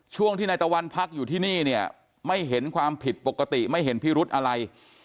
ช่วงที่นายตะวันพักอยู่ที่นี่เนี่ยไม่เห็นความผิดปกติไม่เห็นพิรุธอะไร